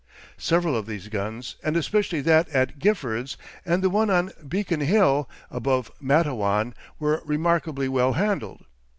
Several of these guns, and especially that at Giffords and the one on Beacon Hill above Matawan, were remarkably well handled.